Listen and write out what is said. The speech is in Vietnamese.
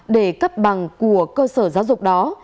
để cấp bằng của cơ sở giáo dục đó